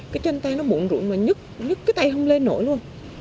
cái chân tay nó bụng rụi mà nhức nhức cái tay không lên nổi luôn